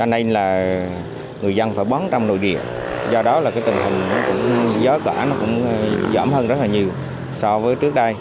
người dân phải bán trong nội địa do đó là tình hình gió cả giỏm hơn rất nhiều so với trước đây